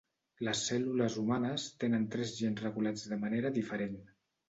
Les cèl·lules humanes tenen tres gens regulats de manera diferent.